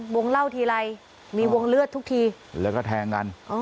วงเล่าทีไรมีวงเลือดทุกทีแล้วก็แทงกัน